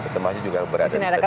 termasuk juga berada di tengah